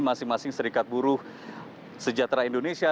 masing masing serikat buruh sejahtera indonesia